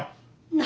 何？